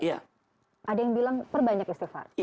ada yang bilang perbanyak istighfar